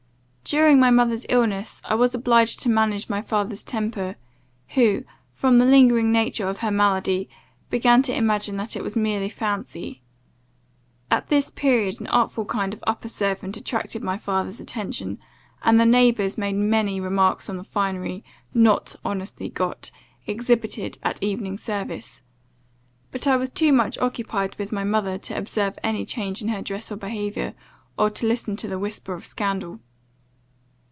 "During my mother's illness, I was obliged to manage my father's temper, who, from the lingering nature of her malady, began to imagine that it was merely fancy. At this period, an artful kind of upper servant attracted my father's attention, and the neighbours made many remarks on the finery, not honestly got, exhibited at evening service. But I was too much occupied with my mother to observe any change in her dress or behaviour, or to listen to the whisper of scandal.